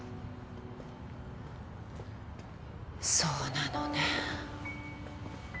そうなのね